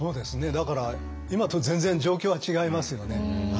だから今と全然状況は違いますよね。